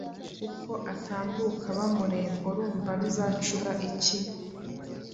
uko atambuka bamureba. Urumva bizacura iki?